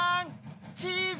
チーズ！